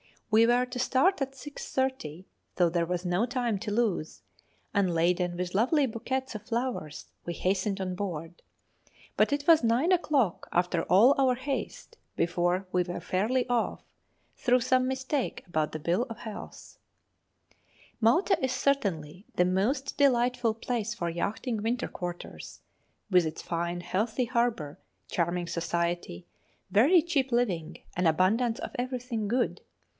We were to start at 6.30, so there was no time to lose, and laden with lovely bouquets of flowers we hastened on board; but it was nine o'clock, after all our haste, before we were fairly off, through some mistake about the bill of health. Malta is certainly the most delightful place for yachting winter quarters, with its fine healthy harbour, charming society, very cheap living, and abundance of everything good.